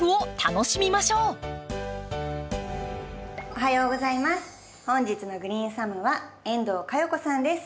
おはようございます。